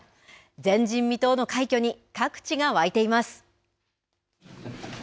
前人未到の快挙に各地が沸いています。